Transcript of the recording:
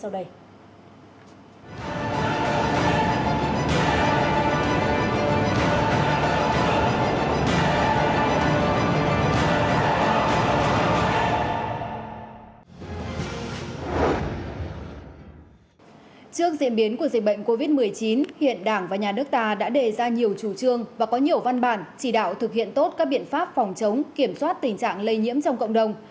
trước diễn biến của dịch bệnh covid một mươi chín hiện đảng và nhà nước ta đã đề ra nhiều chủ trương và có nhiều văn bản chỉ đạo thực hiện tốt các biện pháp phòng chống kiểm soát tình trạng lây nhiễm trong cộng đồng